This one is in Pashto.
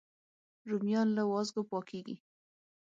رومیان له وازګو پاکېږي